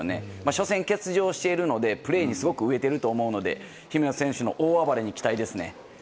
初戦、欠場しているのでプレーにすごく飢えていると思うので姫野選手の大暴れに期待ですね。